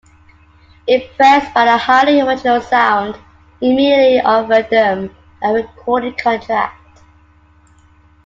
Impressed by their highly original sound, he immediately offered them a recording contract.